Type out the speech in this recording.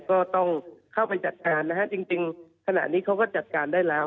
ก็ต้องเข้าไปจัดการนะฮะจริงขณะนี้เขาก็จัดการได้แล้ว